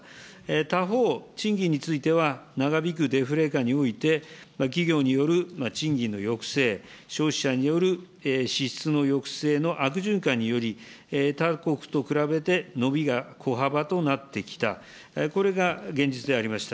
他方、賃金については長引くデフレ下において、企業による賃金の抑制、消費者による支出の抑制の悪循環により、他国と比べて伸びが小幅となってきた、これが現実でありました。